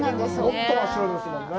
もっと真っ白ですもんね。